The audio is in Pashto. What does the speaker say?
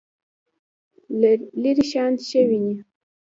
لرې شیان ښه وینئ؟